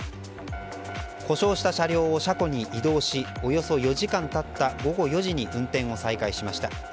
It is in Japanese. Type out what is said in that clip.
故障した車両を車庫に移動しおよそ４時間経った午後４時に運転を再開しました。